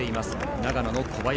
長野の小林。